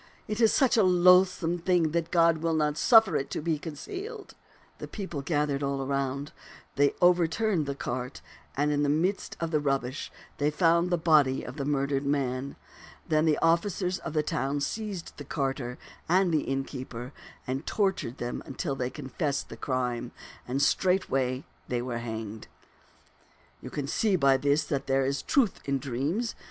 It is such a loathsome thing that God will not suf fer it to be concealed. The people gathered all around. They overturned the cart, and in the midst of the rubbish they found the body of the murdered man. Then the officers of the town seized the carter and the innkeeper and tortured them till they confessed the crime, and straightway they were hanged. " You can see by this that there is truth in dreams.